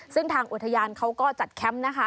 ซึ่งทางอุทยานเขาก็จัดแคมป์นะคะ